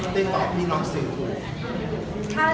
เดินต่อที่นี่น้องซืมคว่า